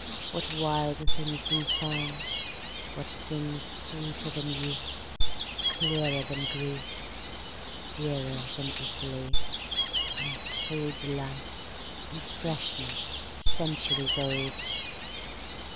What wilder things than song, what thingsSweeter than youth, clearer than Greece, Dearer than Italy, untoldDelight, and freshness centuries old?